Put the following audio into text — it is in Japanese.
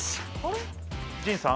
陣さん？